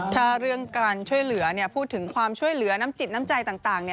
ถ้าเรื่องการช่วยเหลือพูดถึงความช่วยเหลือน้ำจิตน้ำใจต่าง